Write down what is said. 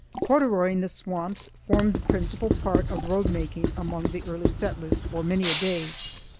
Corduroying the swamps formed the principal part of road making among the early settlers for many a day.